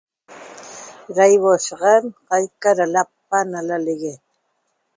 Ra ihuoashaxac qaica ra lapa na lalegue